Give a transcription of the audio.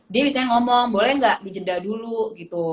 dia bisa ngomong boleh gak dijeda dulu gitu